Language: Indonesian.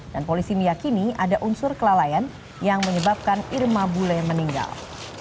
dan polisi meyakini ada unsur kelalaian yang menyebabkan irma bule meninggal